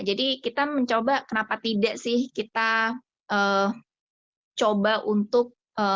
jadi kita mencoba kenapa tidak sih kita coba untuk